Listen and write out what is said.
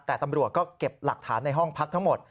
แต่ตำรวจก็เก็บหลักฐานในห้องพักทั้งหมด